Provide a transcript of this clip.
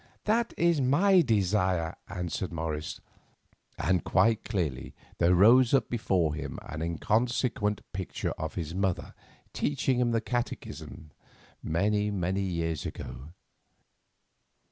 "That is my desire," answered Morris; and quite clearly there rose up before him an inconsequent picture of his mother teaching him the Catechism many, many years ago.